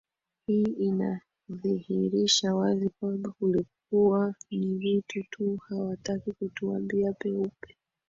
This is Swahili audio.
hii inadhihirisha wazi kwamba kulikuwa ni vile tu hawataki kutuambia peupe